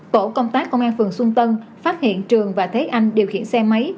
tổ công tác công an phường xuân tân phát hiện trường và thế anh điều khiển xe máy